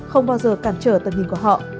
không bao giờ cản trở tầm nhìn của họ